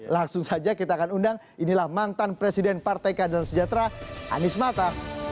langsung saja kita akan undang inilah mantan presiden partai keadilan sejahtera anies mata